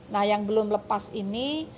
nah yang belum lepas ini